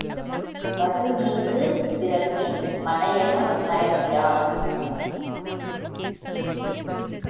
வடுநீங்கு சிறப்பின் மனையகம் மறக்கிறான்.